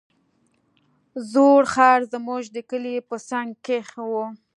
زوړ ښار زموږ د کلي په څنگ کښې و.